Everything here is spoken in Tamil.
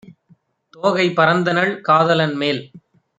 தோகை பறந்தனள் காதலன்மேல்!